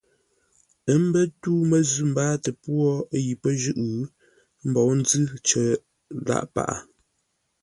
Ə́ mbə́ ntû məzʉ̂ mbáatə pwô yi pə́ jʉ́ʼ, ə́ mbou nzʉ́ cər lâʼ paghʼə.